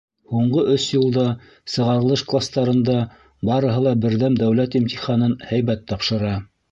— Һуңғы өс йылда сығарылыш кластарында барыһы ла Берҙәм дәүләт имтиханын һәйбәт тапшыра.